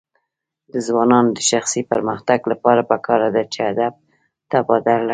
د ځوانانو د شخصي پرمختګ لپاره پکار ده چې ادب تبادله کړي.